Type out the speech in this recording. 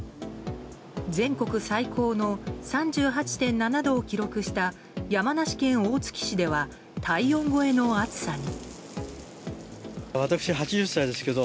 全国最高の３８．７度を記録した山梨県大月市では体温超えの暑さに。